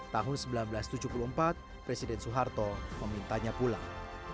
tahun seribu sembilan ratus tujuh puluh empat presiden soeharto memintanya pulang